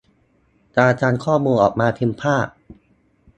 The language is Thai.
การทำข้อมูลออกมาเป็นภาพ